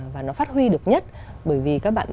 và nó phát huy được nhất bởi vì các bạn